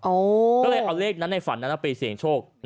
ก็เลยเอาเลขนั้นในฝันนั้นไปเสี่ยงโชค